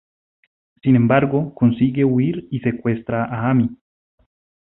Sin embargo consigue huir y secuestra a Amy.